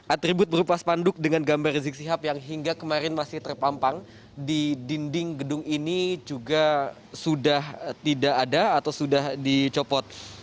atribut berupa spanduk dengan gambar rizik sihab yang hingga kemarin masih terpampang di dinding gedung ini juga sudah tidak ada atau sudah dicopot